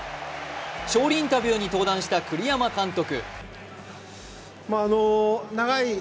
勝利インタビューに登壇した栗山監督。